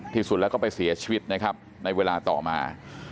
ที่สุดแล้วก็ไปเสียชีวิตนะครับในเวลาต่อมา